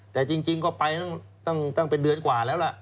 แต่จริงก็ไปตั้งเป็นเดือนกว่าแล้วล่ะ